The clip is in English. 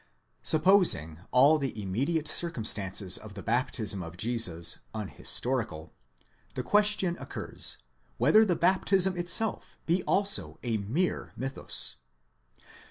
Supposing all the immediate circumstances of the baptism of Jesus un historical, the question occurs, whether the baptism itself be also a mere mythus.